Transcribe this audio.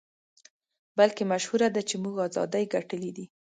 بلکې مشهوره ده چې موږ ازادۍ ګټلې دي.